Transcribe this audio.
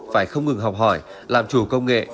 phải không ngừng học hỏi làm chủ công nghệ